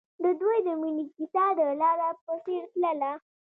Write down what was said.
د دوی د مینې کیسه د لاره په څېر تلله.